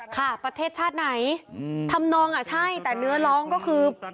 ค่ะประเทศชาติไหนทำนองอ่ะใช่แต่เนื้อร้องก็คือ